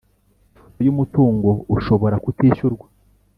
ifoto y umutungo ushobora kutishyurwa